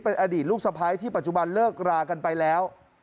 เป็นอดีตลูกสะพ้ายที่ปัจจุบันเลิกรากันไปแล้ว